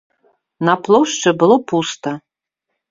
На плошчы было пуста.